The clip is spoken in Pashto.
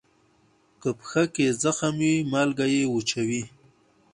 که پښه کې زخم وي، مالګه یې وچوي.